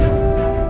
aku bosen main ini